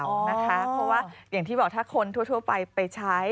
เพราะว่าอย่างที่บอกถ้าคนทั่วไปไปใช้